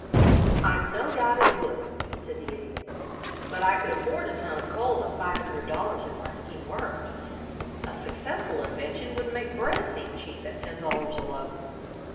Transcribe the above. "I've no doubt it would," said the Idiot; "but I could afford a ton of coal at five hundred dollars if my scheme worked. A successful invention would make bread seem cheap at ten dollars a loaf.